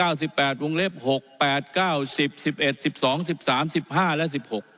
วงเล็บ๖๘๙๑๐๑๑๑๒๑๓๑๕และ๑๖